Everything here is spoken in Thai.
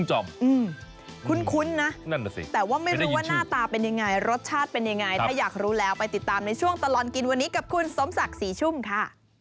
คุ้นนะนั่นน่ะสิแต่ว่าไม่รู้ว่าหน้าตาเป็นยังไงรสชาติเป็นยังไงถ้าอยากรู้แล้วไปติดตามในช่วงตลอดกินวันนี้กับคุณสมศักดิ์ศรีชุ่มค่ะ